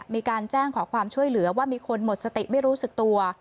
มีการแจ้งขอความช่วยเหลือว่ามีคนหมดสติไม่รู้สึกตัว